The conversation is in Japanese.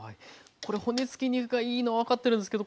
これ骨付き肉がいいのは分かってるんですけど